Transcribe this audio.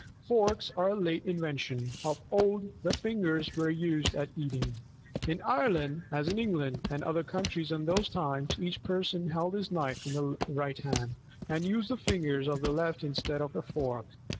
Forks are a late invention: of old the fingers were used at eating. In Ireland, as in England and other countries in those times, each person held his knife in the right hand, and used the fingers of the left instead of a fork.